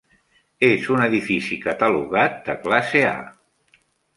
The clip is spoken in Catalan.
És un edifici catalogat de classe A.